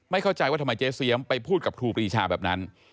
เข้าใจว่าทำไมเจ๊เสียมไปพูดกับครูปรีชาแบบนั้น